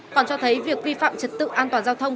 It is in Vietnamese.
còn cho thấy việc vi phạm trật tự an toàn giao thông